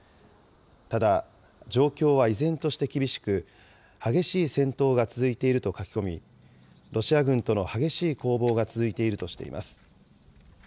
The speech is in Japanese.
ただ、状況は依然として厳しく、激しい戦闘が続いていると書き込み、ロシア軍との激しい攻防が続いているとしています。